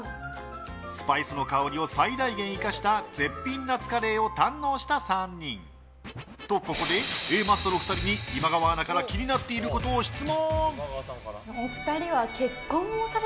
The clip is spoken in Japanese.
スパイスの香りを最大限に生かした絶品夏カレーを堪能した３人。と、ここでＡマッソの２人に今川アナから気になっていることを質問！